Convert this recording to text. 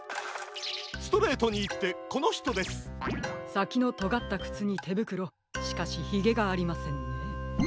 さきのとがったくつにてぶくろしかしひげがありませんね。